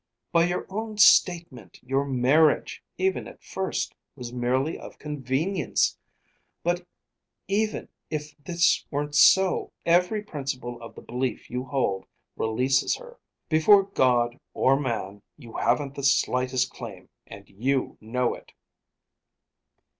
By your own statement your marriage, even at first, was merely of convenience; but even if this weren't so, every principle of the belief you hold releases her. Before God, or man, you haven't the slightest claim, and you know it."